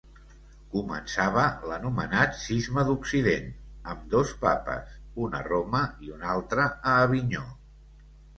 Començava l'anomenat Cisma d'Occident, amb dos papes, un a Roma i un altre a Avinyó.